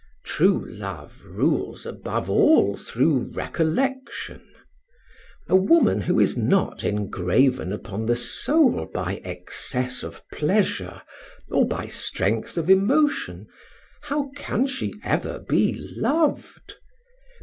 True love rules above all through recollection. A woman who is not engraven upon the soul by excess of pleasure or by strength of emotion, how can she ever be loved?